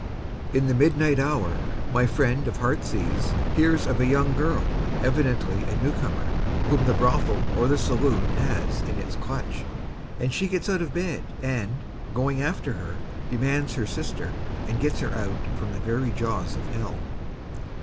In the midnight hour my friend of Heartsease hears of a young girl, evidently a new comer, whom the brothel or the saloon has in its clutch, and she gets out of bed, and, going after her, demands her sister, and gets her out from the very jaws of hell.